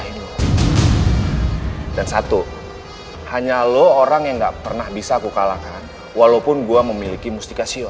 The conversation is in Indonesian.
hai hanya lu orang yang nggak pernah bisa kukalahkan walaupun gue memiliki mustika siol